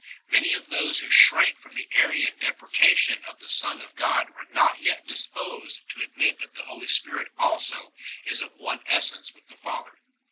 Many of those who shrank from the Arian depreciation of the Son of God were yet not disposed to admit that the Holy Spirit also is of one essence with the Father.